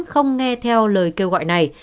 không nghe theo lời kêu gọi này